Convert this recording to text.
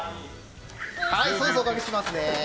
ソースおかけしますね。